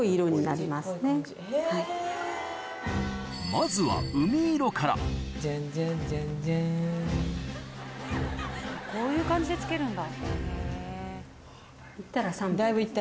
まずはこういう感じでつけるんだ。